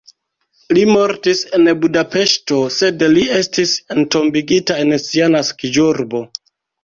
Li mortis en Budapeŝto sed li estis entombigita en sia naskiĝurbo.